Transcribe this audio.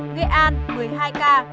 nghệ an một mươi hai ca